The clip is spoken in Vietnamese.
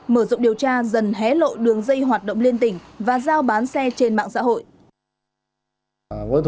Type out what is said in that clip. mở rộng điều tra dần hé lộ đường dây hoạt động liên tỉnh và giao bán xe trên mạng xã hội